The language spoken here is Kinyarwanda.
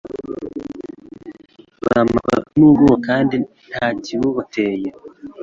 Bazamarwa n’ubwoba kandi nta kibubateye